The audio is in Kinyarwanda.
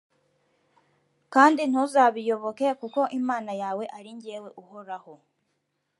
kandi ntuzabiyoboke, kuko imana yawe ari jyewe uhoraho,